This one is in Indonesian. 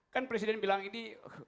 kan presiden bilang ini